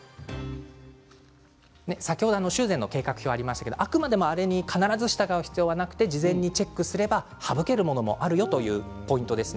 先ほど修繕の計画表がありましたが必ず従う必要はなくて事前にチェックをすれば省けるものがあるということです。